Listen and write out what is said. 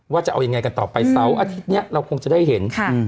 จะเอายังไงกันต่อไปเสาร์อาทิตย์นี้เราคงจะได้เห็น